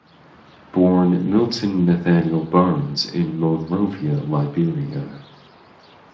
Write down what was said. Born Milton Nathaniel Barnes in Monrovia, Liberia.